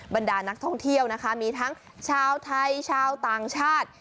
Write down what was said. บรรดานักท่องเที่ยวนะคะมีทั้งชาวไทยชาวต่างชาติ